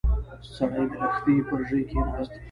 سړی د لښتي پر ژۍ کېناست.